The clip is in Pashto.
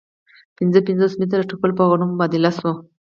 پنځه پنځوس متره ټوکر په غنمو مبادله شو